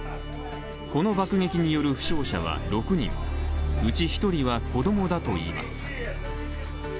この爆撃による負傷者は６人、うち１人は子供だといいます。